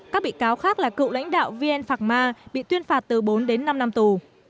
các bị cáo khác là cựu lãnh đạo vn phạc ma bị tuyên phạt từ bốn đến năm năm tù